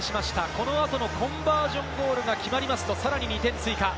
この後のコンバージョンゴールが決まりますと、さらに２点追加。